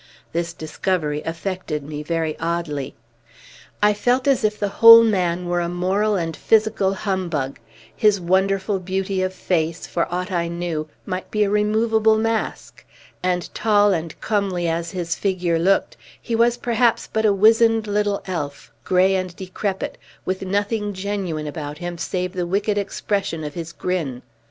This discovery affected me very oddly. I felt as if the whole man were a moral and physical humbug; his wonderful beauty of face, for aught I knew, might be removable like a mask; and, tall and comely as his figure looked, he was perhaps but a wizened little elf, gray and decrepit, with nothing genuine about him save the wicked expression of his grin.